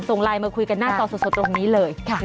ส่งไลน์มาคุยกันหน้าจอสดตรงนี้เลย